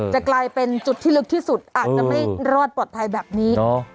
จะกลายเป็นจุดที่ลึกที่สุดอาจจะไม่รอดปลอดภัยแบบนี้